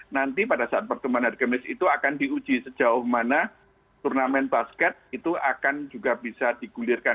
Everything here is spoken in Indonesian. nanti pada saat pertemuan hari kemis itu akan diuji sejauh mana turnamen basket itu akan juga bisa digulirkan